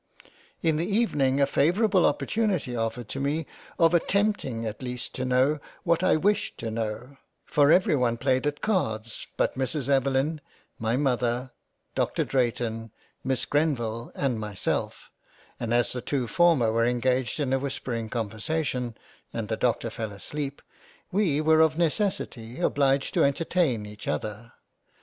In the evening a favourable oppor tunity offered to me of attempting at least to know what I wished to know, for every one played at Cards but Mrs Evelyn, My Mother, Dr Drayton, Miss Grenville and my self, and as the two former were engaged in a whispering Conversation, and the Doctor fell asleep, we were of neces sity obliged to entertain each other.